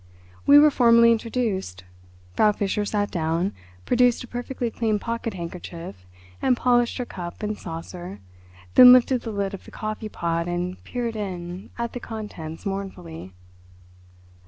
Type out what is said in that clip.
We were formally introduced. Frau Fischer sat down, produced a perfectly clean pocket handkerchief and polished her cup and saucer, then lifted the lid of the coffee pot and peered in at the contents mournfully.